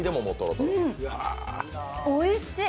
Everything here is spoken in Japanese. おいしっ！